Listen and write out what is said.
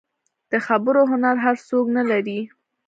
د خبرو هنر هر څوک نه لري.